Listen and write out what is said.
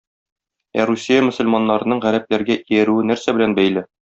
Ә Русия мөселманнарының гарәпләргә иярүе нәрсә белән бәйле?